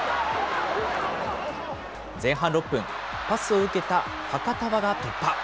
前半６分、パスを受けたファカタヴァが突破。